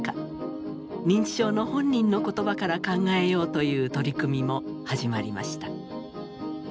認知症の本人の言葉から考えようという取り組みも始まりました。